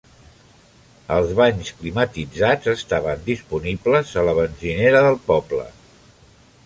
Els banys climatitzats estaven disponibles a la benzinera del poble.